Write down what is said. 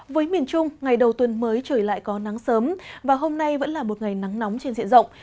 với miền trung ngày đầu tuần mới trời lại có nắng sớm và hôm nay vẫn là một ngày nắng nóng trên diện rộng